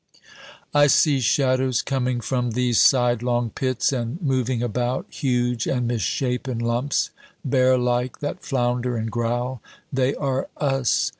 I see shadows coming from these sidelong pits and moving about, huge and misshapen lumps, bear like, that flounder and growl. They are "us."